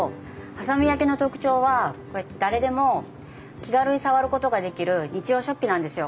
波佐見焼の特徴はこうやって誰でも気軽に触ることができる日用食器なんですよ。